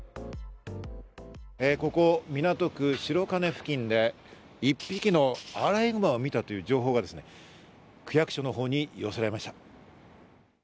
ここ港区白金付近で１匹のアライグマを見たという情報がですね、区役所のほうに寄せられました。